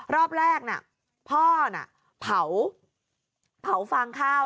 รอบแรกน่ะพ่อน่ะเผาฟางข้าว